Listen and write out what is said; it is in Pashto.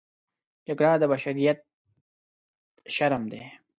جګړه د بشریت شرم دی